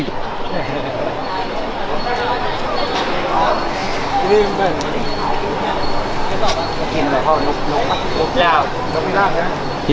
ตัวอย่างใหญ่